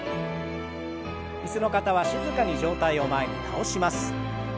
椅子の方は静かに上体を前に倒します。